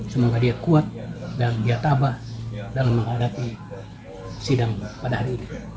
semoga dia kuat dan dia tabah dalam menghadapi sidang pada hari ini